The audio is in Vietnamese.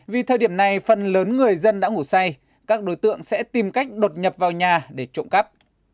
vì thời điểm này phần lớn người dân đã ngủ say các đối tượng sẽ tìm cách đột nhập vào nhà để trộm cắp